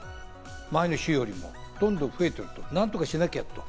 前の週よりもどんどん増えてると、何とかしなきゃと。